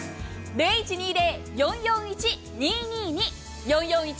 ０１２０−４４１−２２２。